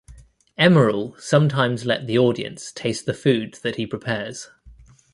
Emeril sometimes let the audience taste the food that he prepares.